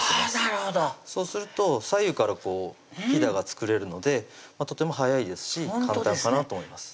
なるほどそうすると左右からこうひだが作れるのでとても早いですし簡単かなと思います